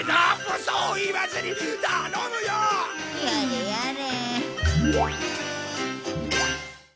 やれやれ。